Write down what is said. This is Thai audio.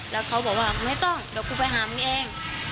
แล้วเขาบอกว่าไม่ต้องเดี๋ยวกูไปหามึงเอง